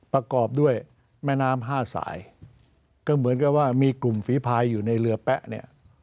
ประกอบด้วยแม่น้ำห้าสายก็เหมือนกับว่ามีกลุ่มฝีพายอยู่ในเรือแป๊ะเนี่ย